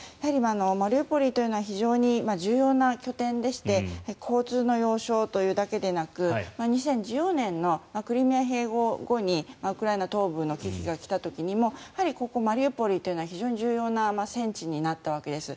マリウポリというのは非常に重要な拠点でして交通の要衝というだけではなく２０１４年のクリミア併合後にウクライナ東部の危機が来た時もマリウポリは非常に重要な戦地になったわけです。